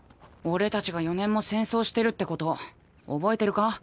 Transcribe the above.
俺たちが４年も戦争してるってこと覚えてるか？